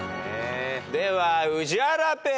では宇治原ペア。